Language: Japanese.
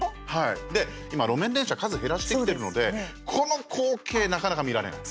今、路面電車数減らしてきてるのでこの光景、なかなか見られない。